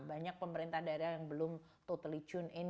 banyak pemerintah daerah yang belum totally tune in